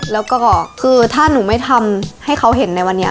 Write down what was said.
แล้วก็คือถ้าหนูไม่ทำให้เขาเห็นในวันนี้